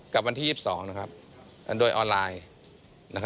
กับวันที่๒๒นะครับอันโดยออนไลน์